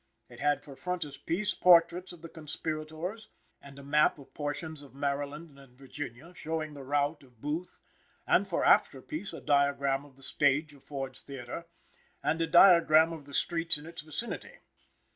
It had for frontispiece portraits of the conspirators and a map of portions of Maryland and Virginia showing the route of Booth, and for afterpiece a diagram of the stage of Ford's theatre and a diagram of the streets in its vicinity.